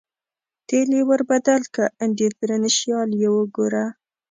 تېل یې ور بدل کړه، ډېفرېنشیال یې وګوره.